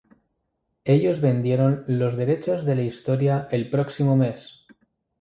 Ellos vendieron los derechos de la historia el próximo mes.